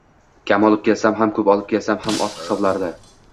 Kam olib kelsam ham, koʻp olib kelsam ham, oz hisoblardi.